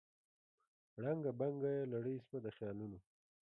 ړنګه بنګه یې لړۍ سوه د خیالونو